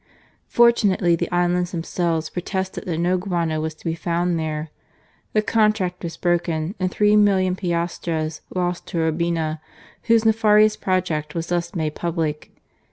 Fortunately the islands themselves protested that no guano was to be found there ; the contract was broken, and three millions of piastres lost to Urbina, whose nefarious project was thus made public.